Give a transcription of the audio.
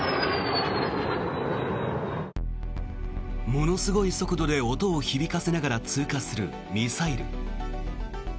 ものすごい速度で音を響かせながら通過するミサイル。